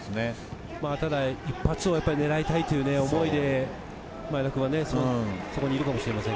ただ一発を狙いたいという思いで、前田君はそこにいるかもしれません。